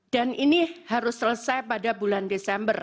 dan ini harus selesai pada bulan desember